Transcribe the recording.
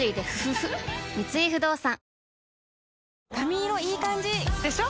三井不動産髪色いい感じ！でしょ？